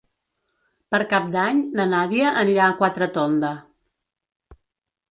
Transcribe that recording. Per Cap d'Any na Nàdia anirà a Quatretonda.